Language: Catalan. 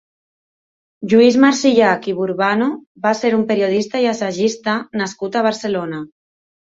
Lluís Marsillach i Burbano va ser un periodista i assagista, nascut a Barcelona.